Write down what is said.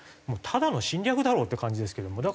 もうただの侵略だろうって感じですけども。